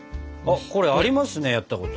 これありますねやったこと。